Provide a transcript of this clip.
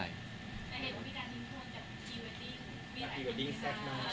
ในเหตุว่ามีการทิ้งทวนกับทีเวอร์ดิ้ง